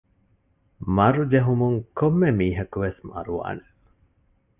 މަރު ޖެހުމުން ކޮންމެ މީހަކުވެސް މަރުވާނެ